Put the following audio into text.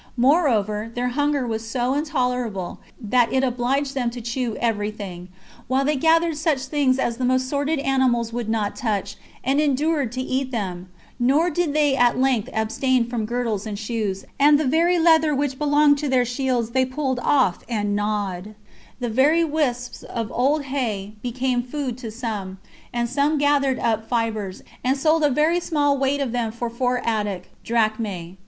Moreover, their hunger was so intolerable, that it obliged them to chew every thing, while they gathered such things as the most sordid animals would not touch, and endured to eat them; nor did they at length abstain from girdles and shoes; and the very leather which belonged to their shields they pulled off and gnawed: the very wisps of old hay became food to some; and some gathered up fibres, and sold a very small weight of them for four Attic [drachmae].